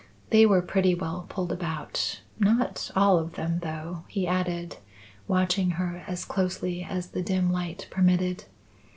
They were pretty well pulled about. Not all of them though," he added, watching her as closely as the dim light permitted.